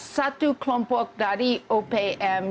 satu kelompok dari opm